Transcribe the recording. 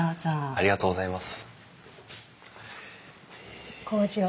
ありがとうございます。